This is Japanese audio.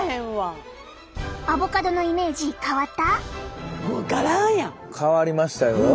アボカドのイメージ変わった？